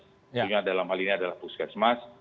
tentunya dalam hal ini adalah puskesmas